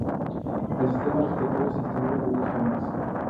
El sistema respiratorio se estimula de varias formas.